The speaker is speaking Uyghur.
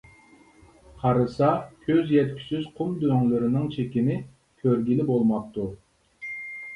قارىسا، كۆز يەتكۈسىز قۇم دۆڭلىرىنىڭ چېكىنى كۆرگىلى بولماپتۇ.